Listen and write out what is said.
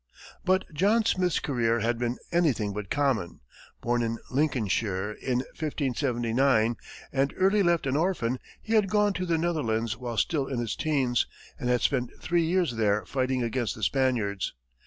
But John Smith's career had been anything but common. Born in Lincolnshire in 1579, and early left an orphan, he had gone to the Netherlands while still in his teens, and had spent three years there fighting against the Spaniards.